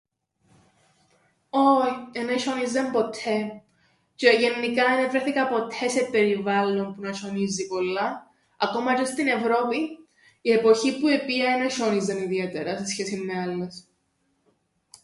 Όι, εν εσ̆ιόνιζεν ποττέ, τζ̆αι γεννικά εν εβρέθηκα ποττέ σε περιβάλλον που να σ̆ιονίζει πολλά ακόμα τζ̆αι στην Ευρώπην η εποχή που επήα εν εσ̆ιόνιζεν ιδιαίτερα σε σχέσην με άλλες.